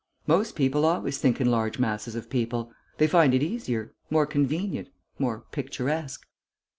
"Most people always think in large masses of people. They find it easier, more convenient, more picturesque."